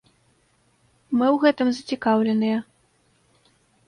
Мы ў гэтым зацікаўленыя.